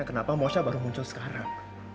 kenapa mosha baru muncul sekarang